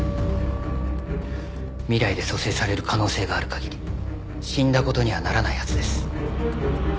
未来で蘇生される可能性がある限り死んだ事にはならないはずです。